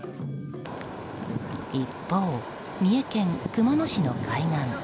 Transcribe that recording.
一方、三重県熊野市の海岸。